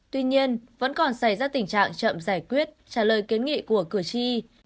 tuy nhiên vẫn còn xảy ra tình trạng chậm giải quyết trả lời kiến nghị của cử tri